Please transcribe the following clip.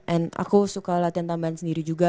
and aku suka latihan tambahan sendiri juga